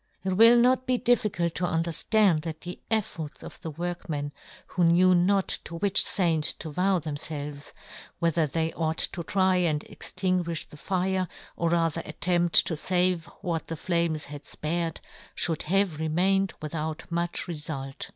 It will not be difficult to underftand that the eflforts of the workmen, who knew not to which Saint to vow themfelves, whether they ought to try and ex tinguifli the fire, or rather attempt to fave what the flames had fpared, 8o yohn Gutenberg. (hould have remained without much refult.